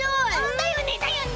だよねだよね！